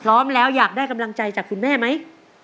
พร้อมแล้วอยากได้กำลังใจจากคุณแม่ไหม